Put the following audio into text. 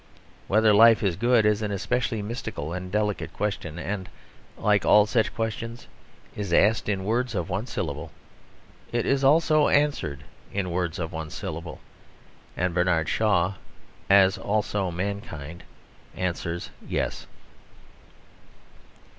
Whether life is good is an especially mystical and delicate question, and, like all such questions, is asked in words of one syllable. It is also answered in words of one syllable, and Bernard Shaw (as also mankind) answers "yes."